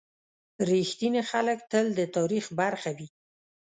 • رښتیني خلک تل د تاریخ برخه وي.